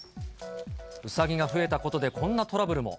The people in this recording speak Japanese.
ウサギが増えたことでこんなトラブルも。